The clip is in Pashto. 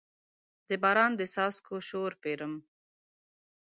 د باران د څاڅکو شور پیرم